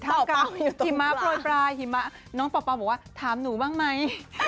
ทั้งกับหิมะโพยปลายหิมะน้องเป่าเป่าบอกว่าถามหนูบ้างมั้ย